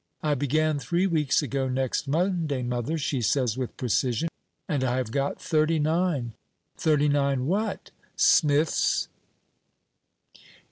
"I began three weeks ago next Monday, mother," she says with precision, "and I have got thirty nine." "Thirty nine what?" "Smiths."